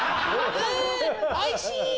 うんおいしい！